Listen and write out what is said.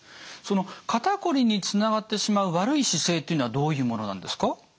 その肩こりにつながってしまう悪い姿勢っていうのはどういうものなんですか？